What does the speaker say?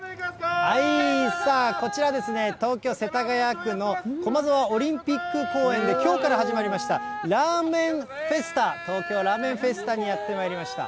さあ、こちらですね、東京・世田谷区の駒沢オリンピック公園で、きょうから始まりましたラーメンフェスタ、東京ラーメンフェスタにやってまいりました。